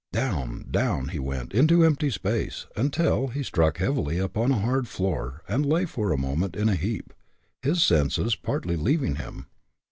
Down! down! he went into empty space, until he struck heavily upon a hard floor, and lay for a moment in a heap, his senses partly leaving him.